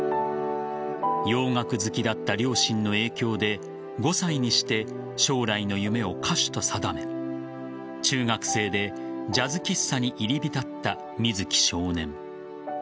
洋楽好きだった両親の影響で５歳にして将来の夢を歌手と定め中学生でジャズ喫茶に入り浸った水木少年。